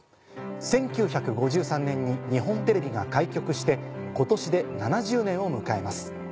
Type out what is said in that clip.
１９５３年に日本テレビが開局して今年で７０年を迎えます。